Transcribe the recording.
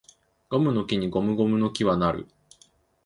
ゴムの木にゴムゴムの木は成る